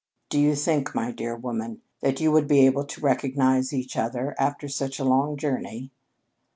"Do you think, my dear woman, that you would be able to recognize each other after such a long journey?"